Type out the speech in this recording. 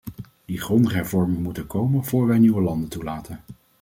Die grondige hervorming moet er komen voor wij nieuwe landen toelaten.